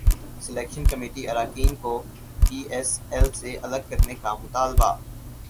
selection committee اراکین کو P S L سے الگ کرنے کا مطالبہ